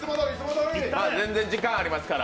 全然時間ありますから。